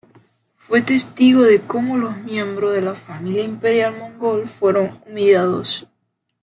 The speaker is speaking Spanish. Fue testigo de cómo los miembros de la familia imperial mogol fueron humillados.